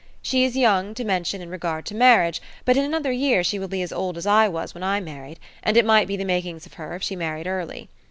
She is young to mention in regard to marriage, but in another year she will be as old as I was when I married, and it might be the makings of her if she married early.